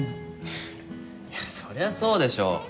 いやそりゃそうでしょ